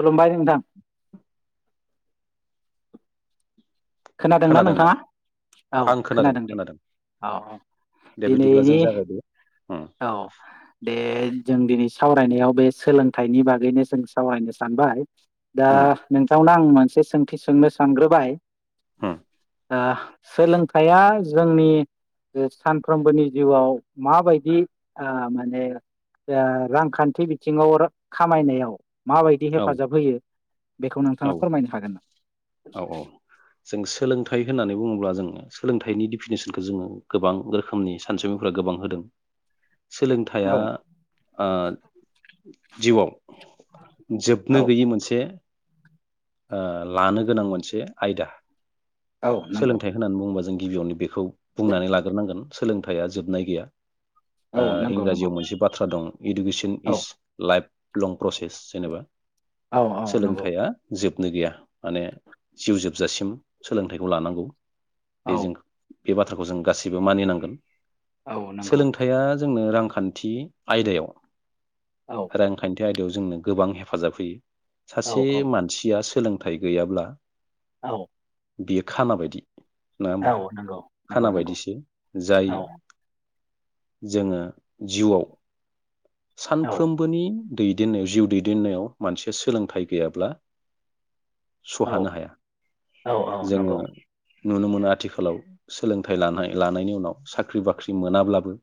खुलुमबाय नोंथां। खोनादोंना नोंथाङा औ खोनादों दे औ औ दे बिदिब्ला जों दिनैनि जागायदो उम औ दे जों दिनै सावरायनायाव बे सोलोंथाइनि बागैनो जों सावरायनो सानबाय दा उम नोंथांना आं मोनसे सोंथि सोंनो सानग्रोबाय उम ओ सोलोंथाइया जोंनि सानफ्रोमबोनि जिउआव माबायदि ओ माने ओ रांखान्थि बिथिङाव खामायनायाव माबायदि औ हेफाजाब होयो बेखौ नोंथाङा औ फोरमायनो हागोन नामा? औ औ जों सोलोंथाइ होननानै बुङोब्ला जोङो सोलोंथाइनि डिफिनेसनखौ जोङो गोबां रोखोमनि सानसुमैफोरा गोबां होदों। सोलोंथाइआ औ ओ जिउआव जोबनो औ गैयि मोनसे ओ लानो गोनां मोनसे आयदा। औ नंगौ सोलोंथाइ होननानै बुंङोबा जों गिबियावनो बेखौ बुंनानै लाग्रोनांगोन। सोलोंथाइया जोबनाय गैया औ ओ नंगौ नंगौ इंराजियाव मोनसे बाथ्रा दं इडुकेसन औ इज लाइफ लं। प्रसेस जेनेबा औ औ नंगौ सोलोंथाइया जोब नो गैया माने जिउ जोबजासिम सोलोंथाइखौ लानांगौ। औ बेजों बे बाथ्राखौ जों गासैबो मानिनांगोन। औ नंगौ सोलोंथाइया जोंनो रां खान्थि आयदायाव औ रांखान्थि बे आयदायाव जोंनो गोबां हेफाजाब होयो। औ सासे मानसियास सोलोंथाइ गैयाब्ला औ बियो खाना बायदि नङा औ होमबा नंगौ नंगौ खाना नंगौ बायदिसो जाय औ जोङो जिउआव औ सानफ्रोमबोनि दैदेननायाव जिउ दैदेननायाव मानसिया सोलोंथाइ गैयाब्ला औ सुहानो हाया औ औ जोङो नंगौ नुनो मोनो आथिखालाव सोलोंथाइ लानाय लानायनि उनाव साख्रि बाख्रि मोनाब्लाबो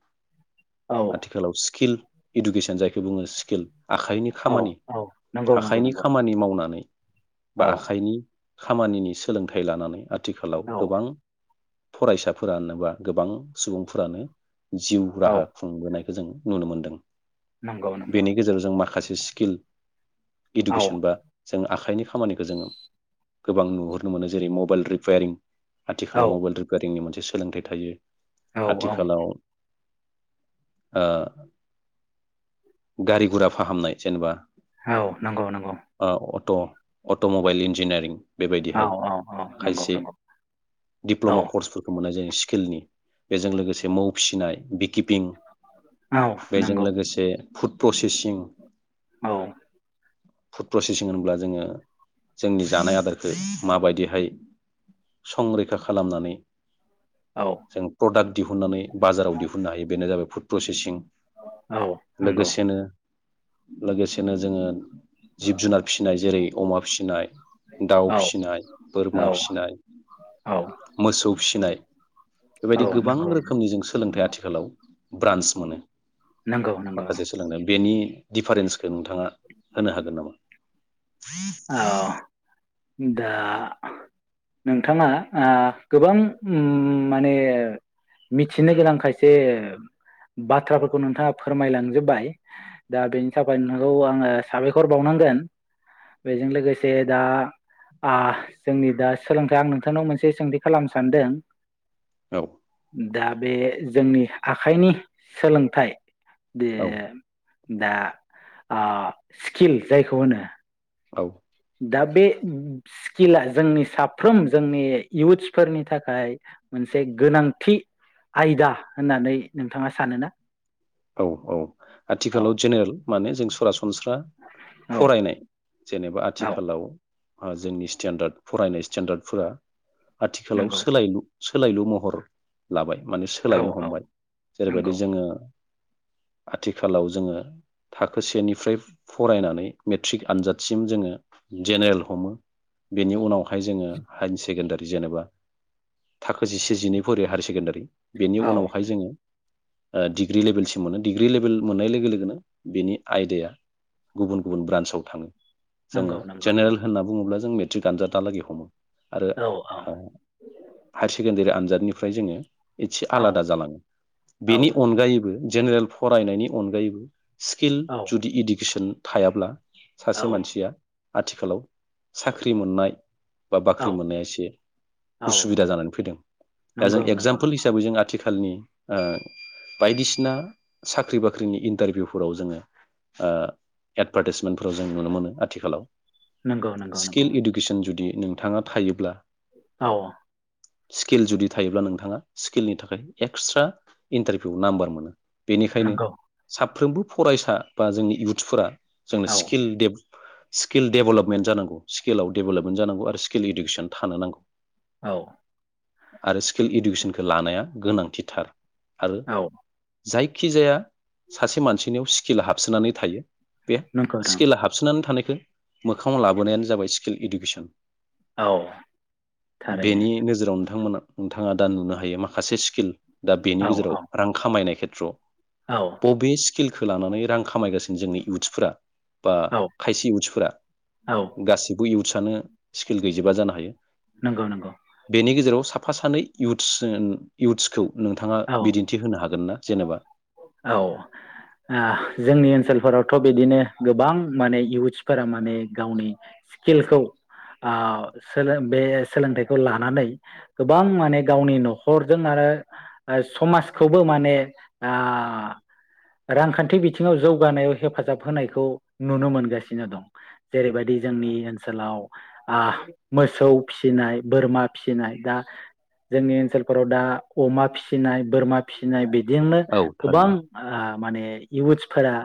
औ आथिखालाव स्किल इडुकेसन जायखौ बुङो स्किल आखाइनि औ खामानि औ नंगौ नंगौ आखाइनि नंगौ खामानि मावनानै औ बा आखाइनि खामानिनि सोलोंथाइ लानानै आथिखालाव औ गोबां फरायसाफोरानोबा गोबां सुबुंफोरानो जिउ औ राहा खुंबोनाय जों नुनो मोनदों नंगौ नंगौ बेनि गेजेरावजों माखासे सिक किल औ इडुकेसन बा जोङो आखाइनि खामानिखौ जोङो गोबां नुहुरनो मोनो जेरै मबाइल रिपेयारिं औ आथिखालाव मबाइल रिपायारिंनि मोनसे सोलोंथाइ थायो औ औ आथिखालाव ओ गारि गुरा फाहामनाय जेनेबा औ नंगौ नंगौ अट अट'मबाइल इन्जिनियारिं औ बेबायदिहाय औ औ नंगौ खायसे नंगौ औ दिप्ल'मा कर्सफोरखौ मोननाय जायो सि खिलनि बेजों लोगोसे मौ फिसिनाय विकिपिं औ बेजों नंगौ लोगोसे फुड प्रसेसिं औ फुड प्रसेसिं होन्ला जोङो जोंनि जानाय आदारखौ माबायदिहाय संरैखा खालामनानै औ जों प्रडाक्ट दिहुननानै बाजाराव दिहुननो हायो बेनो जाबाय फुड प्रसेसिं औ नंगौ लोगोसेनो लोगोसेनो जोङो जिब जुनार फिसिनाय जेरै अमा फिसिनाय दाउ औ फिसिनाय, बोरमा औ फिसिनाय, औ मोसौ फिसिनाय औ बेबायदि नंगौ गोबां रोखोमनि जों सोलोंथाइ आथिखोलाव ब्रान्स मोनो। नगौ नंगौ। माखासे सोलोंनाय बेनि दिडिफारेन्सखौ नोंथाङा होनो हागोन नामा? औ दा नोंथाङा ओ गोबां उम माने मिथिनो गोनां खायसे बाथ्राफोरखौ नोंथाङा फोरमायलांजोबबाय दा बेनि थाखाय नोंथांखौ आङो साबायखर बावनांगोन। बेजों लोगोसे दा जोंनि दा सोलोंथाइ आं नोंथांनाव मोनसे सोंथि खालामनो सानदों औ। दा बे जोंनि आखाइनि सोलोंथाइ दे औ । दा स्किल जायखौ होनो औ। दा बे स्किला जोंनि साफ्रोम जोंनि इयउथ्सफोरनि थाखाय मोनसे गोनांथि आयदा होननानै नोंथाङा सानोना? औ औ औ आथिखालाव जेनेरेल माने जों सरासनस्रा सरासनस्रा औ फरायनाय जेनेबा औ आथिखालाव जोंनि स्टेन्डार्ड फरायनाय स्टेन्डार्डफोरा आथिखालाव नंगौ सोलायलु सोलायलु महर लाबाय। माने औ सोलायनो औ हमबाय जेरैबायदि नंगौ जोङो आथिखालाव जोङो थाखो सेनिफ्राय फरायनानै मेट्रिक आनजादसिम जोङो जेनेरेल हमो बेनि उनावहाय जोङो हाय सेकेण्डारि जेनेबा थाखो जिसेजिनै फरियो हायार सेकेण्डारि बेनि औ उनावहाय जोङो डिग्रि लेभेलसि मोनो डिग्रि लेभेल मोननाय लोगो लोगोनो बेनि आयदाया गुबुन गुबुन ब्रान्सआव थाङो। जोङो नंगौ नंगौ जेनेरेल नंगौ होनना बुङोब्ला जों गानजाथालागै समोन [inaudible] आरो औ हा हायार सेकेण्डारि आन्जाद दानिफ्राय जोङो एसे औ आलादा जालाङो बेनि अनगायैबो जेनेरेल फरायनायनि अनगायैबो स्किल जुदि इडुकेसन थायाब्ला औ सासे मानसिया आथिखालाव साख्रि मोननाय बा औ बाख्रि मोननाया एसे औ उसुबिदा जानानै फैदों दा जों नंगौ नंगौ एगजामपोल हिसाबै जों आथिखाल खालनि ओ बायदिसि ना साख्रि बाख्रिनि इन्टारभिउफोराव जोङो ओ एडभार्टाइसमेन्टफोराव जों नुनो मोनो आथिखालाव नंगौ नंगौ । स्किल नंगौ एडुकेसन जुदि नोंथाङा थायोब्ला औ । स्किल जुदि थायोब्ला नोंथाङा स्किलनि थाखाय एक्सट्रा इन्टारभिउ नाम्बार मोनो । बेनिखायनो नंगौ साब फ्रोमबो फरायसा बा जोंनि इउथ्सफोरा जोंनो औ स्किल डेफ स्किल डेभेलपमेन्ट जांगौ स्किलाव डेभेलपमेन्ट जानांगौ आरो स्किल इडुकेसन थानो नांगौ । औ । आरो स्किल इडुकेसनखौ लानाया गोनांथिथार । औ । जायखिजाया सासे मानसिनियाव स्किल हाबसोनानै थायो । बे नंगौ नों स्केला हाबसोनानै थानाय मोखाङाव लाबोनायानो जाबाय स्किल इडुकेसन । औ थारैनो बेनि नोजोराव नोंथांमोना नोंथाङा दा नुनो हायो माखासे स्किल दा बेनि औ गेजेराव औ रां खामायनाय खेत्र' औ पबिस स्किलखौ लानानै रां खामायगासिनो जोंनि इउथ्सफोरा । बा औ खायसे इउथ्सफोरा औ गासिबो इउथ्स सानो स्किल गैजोबा जानो हायो नंगौ नंगौ बेनि गेजेराव साफा सानै इउथ्स जोङो इउथ्सखौ नोंथाङा औ बिदिन्थि होनो हागोन ना जेनोबा औ जोंनि ओ ओनसोलफोरावथ' बिदिनो गोबां माने इयउथ्सफोरा माने गावनि स्किलखौ ओ बे सोलोंथाइखौ लानानै गोबां माने गावनि न'खरजों आरो समाजखौबो माने ओ आह रांखान्थि बिथिङाव जौगानायाव हेफाजाब होनायखौ नुनो मोनगासिनो दं जेरैबायदि जोंनि ओनसोलाव आह मोसौ फिसिनाय बोरमा फिसिनाय दा जोंनि ओनसोलफोराव दा अमा फिसिनाय बोरमा फिसिनाय बिदि जेनेबा औ गोबां थारैनो ओ माने इउ इउटसफोरा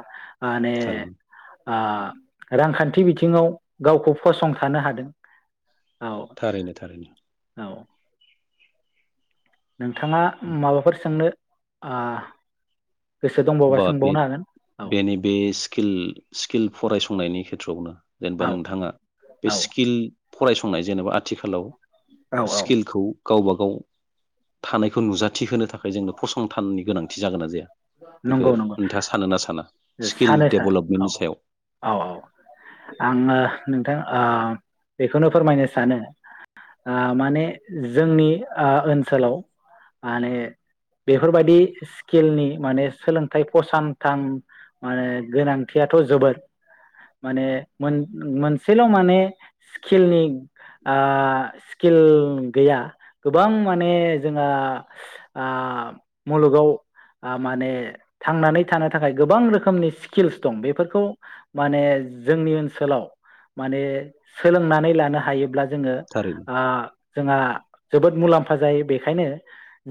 माने थारैनो ओ रांखान्थि बि बिथिङाव गावखौ फसंथानो हादों। औ थारैनो थारैनो औ नोंथाङा माबाफोर सोंनो आ बा बे बेनि बे स्किल स्किल फरायसंनायनि खेथ्र आवनो जेनेबा औ नोंथाङा बे औ स्किल फरायसंनाय जेनेबा आथिखालाव औ औ स्किलखौ गावबा गाव थानायखौ नुजाथिहोनो थाखाय जोंनो फसंथाननि गोनांथि जागोन ना जाया? बेखौ नंगौ नंगौ नोंथाङा सानो ना साना स्किल सानो सानो औ डेभेलपमेन्टनि सायाव औ औ आङो नोंथां ओ बेखौनो फोरमायनो सानो ओ माने जोंनि ओ ओनसोलाव माने बेफोरबायदि स्किलनि माने सोलोंथाइ फसानथान माने गोनांथियाथ जोबोर माने मोन मोनसेल माने स्किलनि ओ स्किल गैया गोबां माने जोंहा आ मुलुगाव आ माने थांनानै थानो थाखाय गोबां रोखोमनि स्किल्स दं बेफोरखौ माने जोंनि ओनसोलाव माने सोलोंनानै लानो हायोब्ला जोंनो थारैनो ओ जोंहा जोबोद मुलाम्फा जायो बेखायनो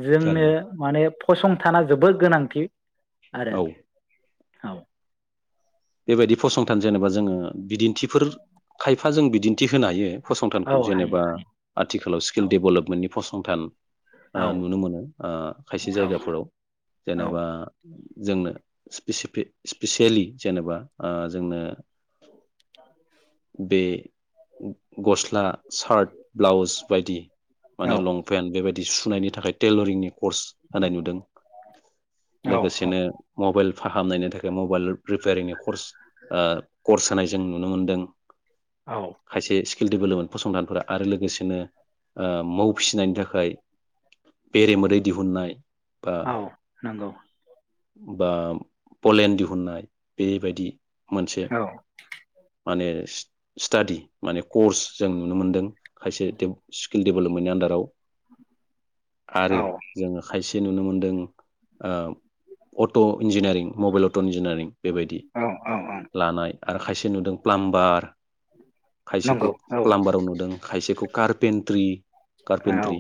जोंनो थारैनो माने फसंथाना जोबोद गोनांथि आरो औ औ बेबायदि फसंथान जेनेबा जोङो बिदिन्थिफोर खायफा जों बिदिन्थि होनो हायो। औ फसंथानखौ हायो जेनेबा हायो आथिलाव स्किल औ डेभेलपमेन्टनि फसंथान औ ओ नुनो मोनो ओ खायसे औ जायगाफोराव औ जेनेबा जोंनो स्पिसेपे स्पिसियेलि जेनेबा ओ जोंनो [unintelligible] बे उग गस्ला सार्ट ब्लाउस बायदि औ माने लंपेन्ट बेबायदि सुनायनि थाखाय टेलरिंनि कर्स होनाय नुदों औ लोगोसेनो मबाइल फाहामनायनि थाखाय मबाइल रिपेयारिंनियाव कर्स ओह कर्स होनाय जों नुनो मोन्दों। औ। किल डेभेलपमेन्ट फसंथानफोरा आरो लोगोसेनो ओह मौ फिसिनायनि थाखाय बेरे मोदै दिहुननाय बा औ नंगौ। बा पलेण्ड दिहुननाय बेबायदि मोनसे औ माने स-स्टाडि माने कर्स जों नुनो मोनदों खायसे देफ स्किल डेभेलपमेन्टनि आन्दाराव औ आरो जोङो खायसे नुनो मोनदों ओह auto engineering mobile auto engineering बेबायदि औ औ लानाय आरो खायसे नुदों प्लामबार खायसेखौ नंगौ औ प्लामबाराव नुदों खायसेखौ कार्पेनट्रि औ कार्पेनट्रि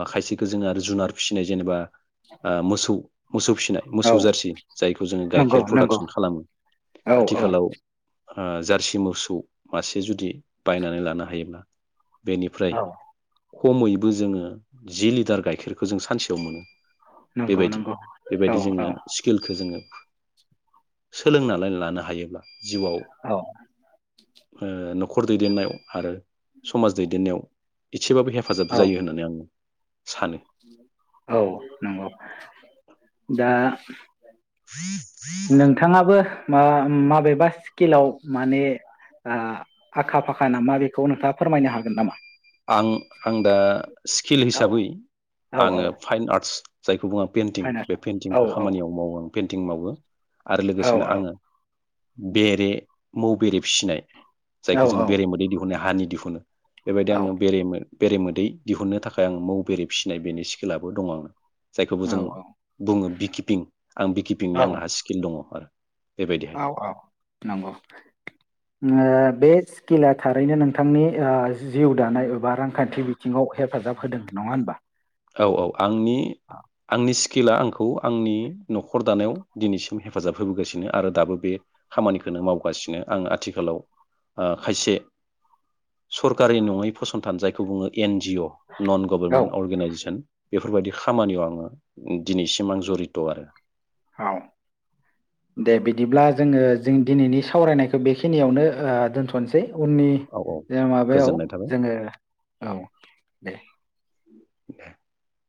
ओह खायसेखो जोङो आरो जुनार फिसिनाय जेनेबा ओह मोसौ मोसौ फिसिनाय औ मोसौ जारसि जायखौ जोङो नंगौ गाइखेर प्रडाक्स नंगौ खालामो औ औ आथिखालाव ओह जार्सि मोसौ मासे जुदि बायनानै लानो हायोब्ला औ बेनिफ्राय खमैबो जोङो जि लिटार गाइखेरखौ जों सानसेयाव मोनो। नंगौ बेबायदि नंगौ औ बेबायदि जोङो स्किलखो जोङो सोलोंनानै लानो हायोब्ला जिउआव औ ओह न'खर दैदेननायाव आरो समाज दैदेननायाव इसेबाबो औ हेफाजाब जायो होननानै आं सानो औ नंगौ दा [inaudible] नोंथाङाबो मा-माबेबा स्किलाव माने ओह आखा फाखा नामा बेखौ नोंथाङा फोरमायनो हागोन नामा? आं आं दा स्किल हिसाबै औ औ औ आङो फाइन आर्ट्स जायखौ बुङो पेन्टिं फाइनाल बे औ पेइन्टिंखो औ खामानियाव मावो आं। पेन्टिं मावो। आरो औ लोगोसेनो आङो बेरे मौ बेरे फिसिनाय। औ जायखौ जों बेराये मोदै दिहुननाय हानि दिहुनो। बेबायदि आङो बे मो बेरेमोदै दिहुननो थाखाय आं मौ बेरे फिसिनाय बेनि स्किलाबो दं आंना। जायखौबो जों बुङो बिकिपिं आं औ बिकिपिंनि आंहा स्किल दङ आरो। बेबायदिहाय औ औ नंगौ ओ बे स्किला थारैनो नोंथांनि ओ जिउ दानाय एबा रांखान्थि बिथिङाव हेफाजाब होदों नङा होनबा? औ औ आंनि आंनि स्किला आं खौ आंनि न'खर दानायाव दिनैसिम हेफाजाब होबोगासिनो आरो दाबो बे खामानिखौनो मावगासिनो आं आथिखालाव ओ खायसे सरकारि नङै फसंथान जायखौ बुङो एन जिअ नन औ गभार्नमेन्ट अर्गेनाइजेस बेफोरबायदि खामानियाव आङो दिनैसिम आं जरित' आरो औ दे बिदिब्ला जोङो जों दिनैनि सावरायनायखौ बेखिनियावनो ओ दोनथ'सै। उननि औ औ जे माबायाव गोजोननाय थाबाय। जोङो औ दे। [unintelligible]